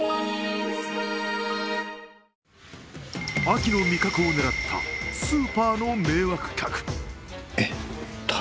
秋の味覚を狙ったスーパーの迷惑客。